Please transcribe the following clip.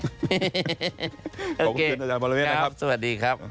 โอเคสวัสดีครับ